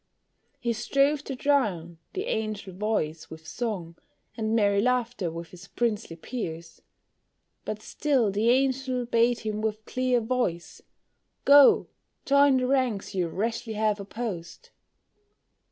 He strove to drown the angel voice with song And merry laughter with his princely peers; But still the angel bade him with clear voice, "Go join the ranks you rashly have opposed."